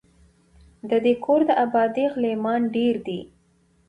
د دې کور د آبادۍ غلیمان ډیر دي